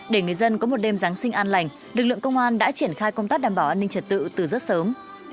để người dân có một đêm giáng sinh an lành lực lượng công an đã triển khai công tác đảm bảo an ninh trật tự từ rất sớm